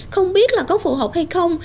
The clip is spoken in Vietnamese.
không biết là có phù hợp hay không